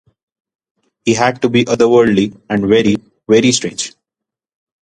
He had to be otherworldly and very, very strange.